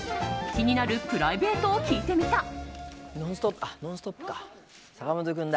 気になるプライベートを聞いてみた。